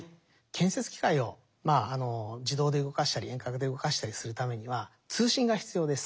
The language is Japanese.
建設機械を自動で動かしたり遠隔で動かしたりするためには通信が必要です。